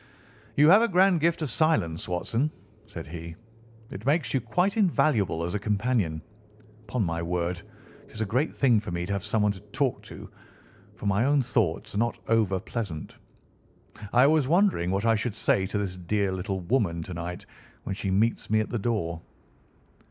"You have a grand gift of silence, Watson," said he. "It makes you quite invaluable as a companion. 'Pon my word, it is a great thing for me to have someone to talk to, for my own thoughts are not over pleasant. I was wondering what I should say to this dear little woman to night when she meets me at the door."